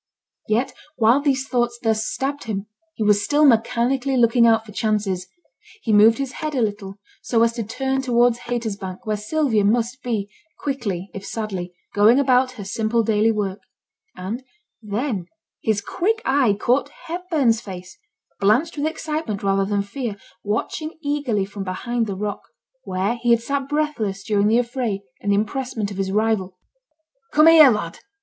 Yet while these thoughts thus stabbed him, he was still mechanically looking out for chances. He moved his head a little, so as to turn towards Haytersbank, where Sylvia must be quickly, if sadly, going about her simple daily work; and then his quick eye caught Hepburn's face, blanched with excitement rather than fear, watching eagerly from behind the rock, where he had sat breathless during the affray and the impressment of his rival. 'Come here, lad!'